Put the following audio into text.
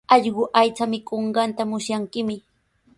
Allqu aycha mikunqanta musyankimi.